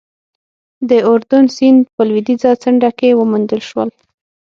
د اردون سیند په لوېدیځه څنډه کې وموندل شول.